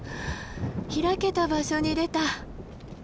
開けた場所に出た。